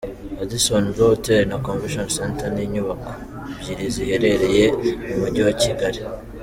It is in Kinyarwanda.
Radisson Blu Hotel na Convention Center ni inyubako ebyiri ziherereye mu mujyi wa Kigali.